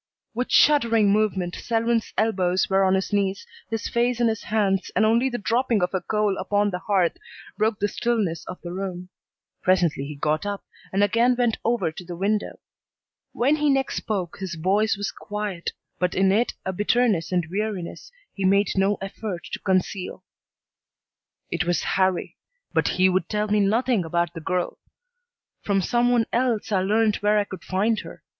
With shuddering movement Selwyn's elbows were on his knees, his face in his hands, and only the dropping of a coal upon the hearth broke the stillness of the room. Presently he got up and again went over to the window. When he next spoke his voice was quiet, but in it a bitterness and weariness he made no effort to conceal. "It was Harrie, but he would tell me nothing about the girl. From some one else I learned where I could find her.